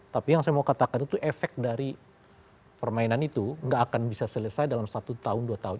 tapi yang saya mau katakan itu efek dari permainan itu nggak akan bisa selesai dalam satu tahun dua tahun